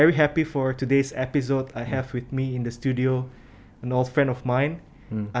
saya sangat senang untuk membuat episode hari ini di studio saya dengan teman lama saya